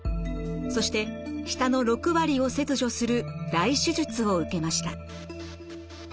そして舌の６割を切除する大手術を受けました。